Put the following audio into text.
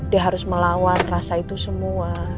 dia harus melawan rasa itu semua